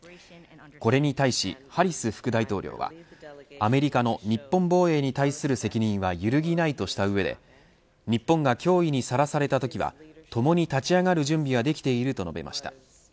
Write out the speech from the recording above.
これに対しハリス副大統領はアメリカの日本防衛に対する責任はゆるぎないとした上で日本が脅威にさらされたときはともに立ち上がる準備はできていると述べました。